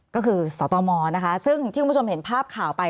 ก็คือสตมนะคะซึ่งที่คุณผู้ชมเห็นภาพข่าวไป